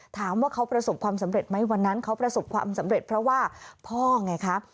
ถามว่าเขาประสบความสำเร็จไหมวันนั้นเขาประสบความสำเร็จเพราะว่าพ่อไงครับ